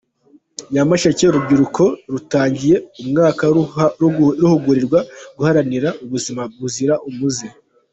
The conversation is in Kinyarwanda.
Nyamasheke Urubyiruko rutangiye umwaka ruhugurirwa guharanira ubuzima buzira umuze